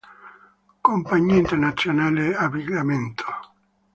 Compagnia Internazionale Abbigliamento.